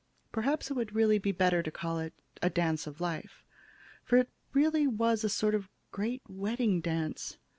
Perhaps it would really be better to call it a 'dance of life,' for it really was sort of a great wedding dance.